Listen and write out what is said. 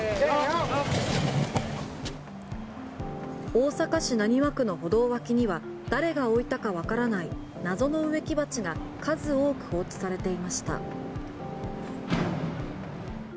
大阪市浪速区の歩道脇には誰が置いたかわからない謎の植木鉢が数多く放置されていました。